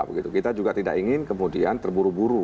begitu kita juga tidak ingin kemudian terburu buru